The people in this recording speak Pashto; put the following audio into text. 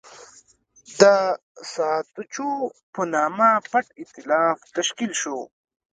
د ساتچو په نامه پټ اېتلاف تشکیل شو.